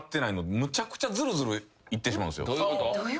どういうこと？